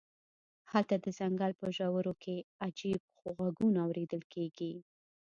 هلته د ځنګل په ژورو کې عجیب غږونه اوریدل کیږي